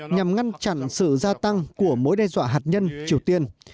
nhằm ngăn chặn sự gia tăng của mối đe dọa hạt nhân triều tiên